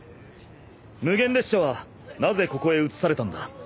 無限列車はなぜここへ移されたんだ？